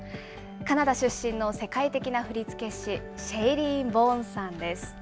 カナダ出身の世界的な振付師、シェイリーン・ボーンさんです。